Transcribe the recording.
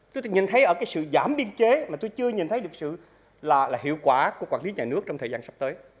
tôi nhìn thấy ở cái sự giảm biên chế mà tôi chưa nhìn thấy được sự là hiệu quả của quản lý nhà nước trong thời gian sắp tới